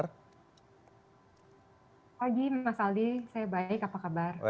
pagi mas aldi saya baik apa kabar